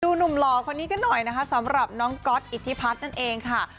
หนุ่มหล่อคนนี้กันหน่อยนะคะสำหรับน้องก๊อตอิทธิพัฒน์นั่นเองค่ะ